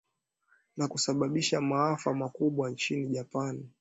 na kusababisha maafa makubwa nchini japan